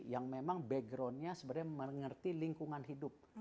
yang memang backgroundnya sebenarnya mengerti lingkungan hidup